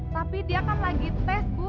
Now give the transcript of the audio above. tapi dia kan lagi tes bu